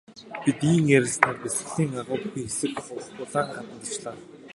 Бид ийн ярилцсаар бясалгалын агуй бүхий хэсэг улаан хаданд очлоо.